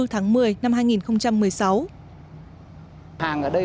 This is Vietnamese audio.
hàng ở đây là cái hàng